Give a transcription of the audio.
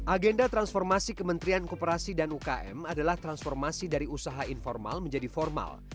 agenda transformasi kementerian kooperasi dan ukm adalah transformasi dari usaha informal menjadi formal